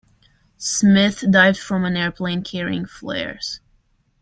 Smith dived from an airplane carrying flares.